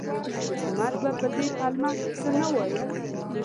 حکومت به په دې پلمه څه نه ویل.